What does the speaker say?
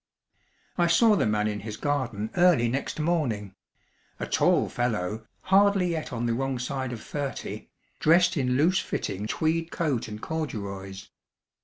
I saw the man in his garden early next morning: a tall fellow, hardly yet on the wrong side of thirty, dressed in loose fitting tweed coat and corduroys.